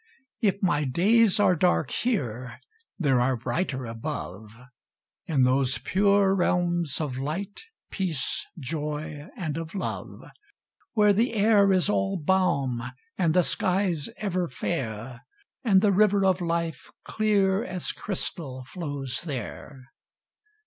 If my days are dark here, there are brighter above, In those pure realms of light, peace, joy, and of love; Where the air is all balm, and the skies ever fair, And the river of life, clear as crystal flows there.